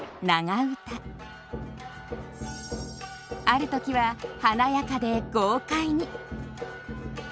ある時は華やかで豪快に。